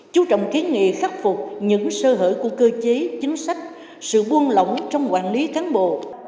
chú trọng kiến nghị khắc phục những sơ hở của cơ chế chính sách sự buôn lỏng trong quản lý cán bộ